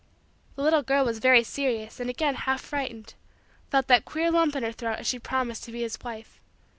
The little girl was very serious and again, half frightened, felt that queer lump in her throat as she promised to be his wife.